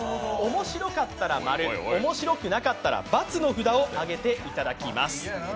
面白かったら○、面白くなかったら×の札を上げていただきます。